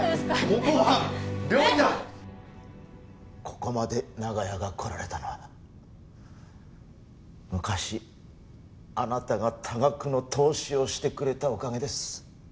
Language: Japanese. ここまで長屋が来られたのは昔あなたが多額の投資をしてくれたおかげです。